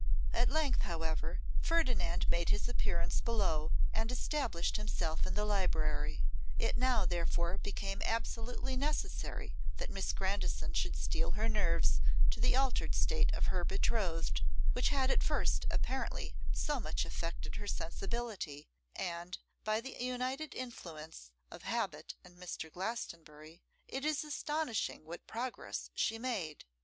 At length, however, Ferdinand made his appearance below, and established himself in the library: it now, therefore, became absolutely necessary that Miss Grandison should steel her nerves to the altered state of her betrothed, which had at first apparently so much affected her sensibility, and, by the united influence of habit and Mr. Glastonbury, it is astonishing what progress she made.